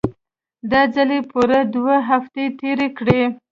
دا ځل يې پوره دوې هفتې تېرې کړې.